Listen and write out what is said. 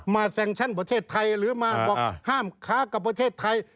แซงชั่นประเทศไทยหรือมาบอกห้ามค้ากับประเทศไทย